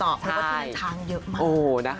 ก็ช่วยช้างเยอะมาก